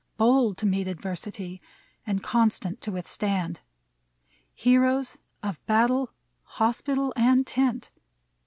Bold to meet adversity And constant to withstand ; Heroes of battle, hospital, and tent.